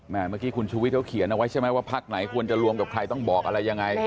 เมื่อกี้คุณชูวิทยเขาเขียนเอาไว้ใช่ไหมว่าพักไหนควรจะรวมกับใครต้องบอกอะไรยังไง